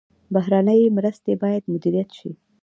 بهرنۍ مرستې باید مدیریت شي